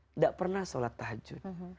tidak pernah sholat tahajud